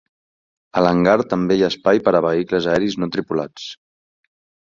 A l'hangar també hi ha espai per a vehicles aeris no tripulats.